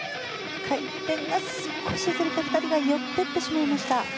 回転が少しずれて、２人が寄っていってしまいました。